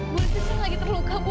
bu rizky sedang lagi terluka bu